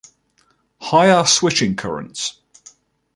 Higher switching currents.